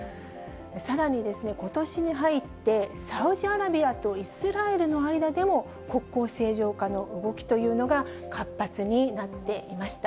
さらにことしに入って、サウジアラビアとイスラエルの間でも、国交正常化の動きというのが活発になっていました。